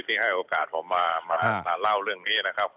ให้โอกาสผมมามาเล่าเรื่องนี้นะครับ